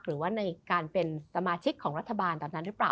หรือว่าในการเป็นสมาชิกของรัฐบาลตอนนั้นหรือเปล่า